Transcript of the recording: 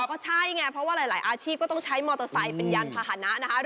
ก็ใช่ไงเพราะว่าหลายอาชีพก็ต้องใช้มอเตอร์ไซค์เป็นยานพาหนะนะคะ